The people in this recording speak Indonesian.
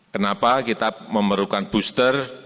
kenapa kita memerlukan booster